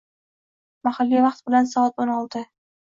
Mahalliy vaqt bilan soat o‘n olti.